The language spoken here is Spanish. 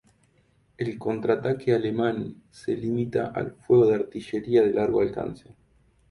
El contraataque alemán se limita al fuego de artillería de largo alcance.